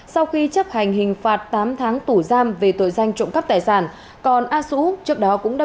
hai nghìn hai mươi một sau khi chấp hành hình phạt tám tháng tù giam về tội danh trộm cắp tài sản còn a sũ trước đó